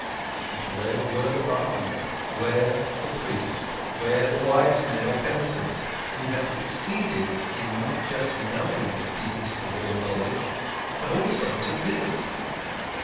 —But where were the Brahmans, where the priests, where the wise men or penitents, who had succeeded in not just knowing this deepest of all knowledge but also to live it?